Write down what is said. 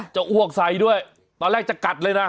อ้วกใส่ด้วยตอนแรกจะกัดเลยนะ